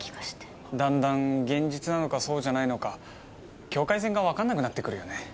だんだん現実なのかそうじゃないのか境界線が分かんなくなってくるよね。